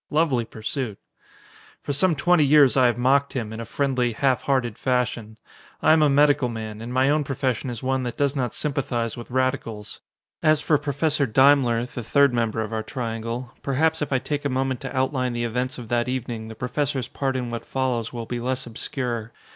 Lovely pursuit! For some twenty years I have mocked him, in a friendly, half hearted fashion. I am a medical man, and my own profession is one that does not sympathize with radicals. As for Professor Daimler, the third member of our triangle perhaps, if I take a moment to outline the events of that evening, the Professor's part in what follows will be less obscure.